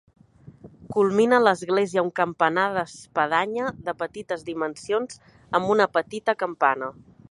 Culmina l'església un campanar d'espadanya, de petites dimensions, amb una petita campana.